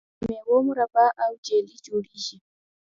د میوو مربا او جیلی جوړیږي.